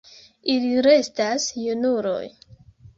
Ili restas junuloj.